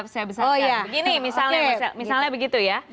saya besarkan begini misalnya begitu ya